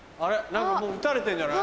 何かもう撃たれてんじゃない？